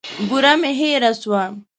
بوره مي هېره سوه .